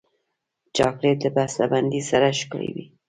چاکلېټ له بسته بندۍ سره ښکلی وي.